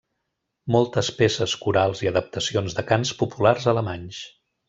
Moltes peces corals i adaptacions de cants populars alemanys.